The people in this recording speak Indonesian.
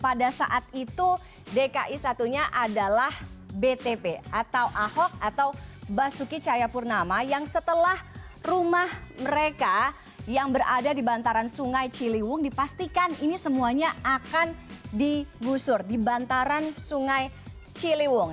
pada saat itu dki satunya adalah btp atau ahok atau basuki cahayapurnama yang setelah rumah mereka yang berada di bantaran sungai ciliwung dipastikan ini semuanya akan digusur di bantaran sungai ciliwung